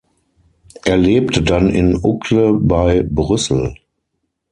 Er lebte dann in Uccle bei Brüssel.